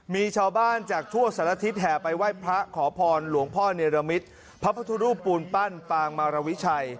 มีชาวบ้านจากทั่วสารทิศแห่ไปไหว้พระขอพรหลวงพ่อเนรมิตพระพุทธรูปปูนปั้นปางมารวิชัย